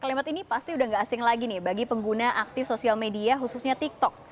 kalimat ini pasti udah gak asing lagi nih bagi pengguna aktif sosial media khususnya tiktok